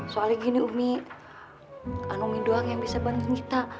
soalnya gini umi anomi doang yang bisa bantu kita